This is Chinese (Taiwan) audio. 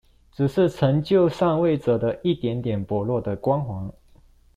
只是成就上位者的一點點薄弱的光環